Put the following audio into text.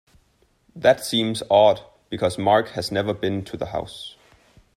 That seems odd because Mark has never been to the house.